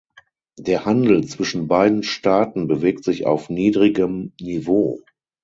Der Handel zwischen beiden Staaten bewegt sich auf niedrigem Niveau.